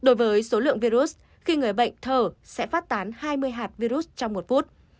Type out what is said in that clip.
đối với số lượng virus khi người bệnh thở sẽ phát tán hai mươi hạt virus trong một phút